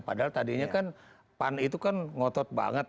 padahal tadinya kan pan itu kan ngotot banget